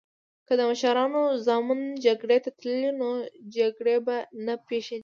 که د مشرانو ځامن جګړی ته تللی نو جګړې به نه پیښیدی